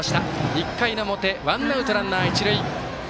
１回の表ワンアウト、ランナー、一塁。